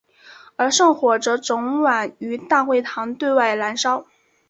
而圣火则整晚于大会堂对开燃烧。